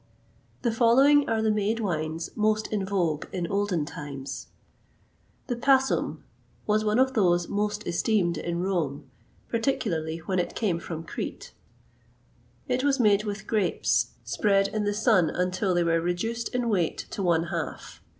[XXVIII 119] The following are the made wines most in vogue in olden times. The Passum was one of those most esteemed in Rome, particularly, when it came from Crete.[XXVIII 120] It was made with grapes, spread in the sun until they were reduced in weight to one half.